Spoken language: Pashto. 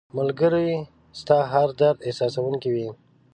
ملګری ستا هر درد احساسوونکی وي